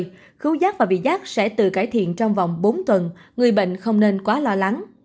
trong thời khứu giác và vị giác sẽ tự cải thiện trong vòng bốn tuần người bệnh không nên quá lo lắng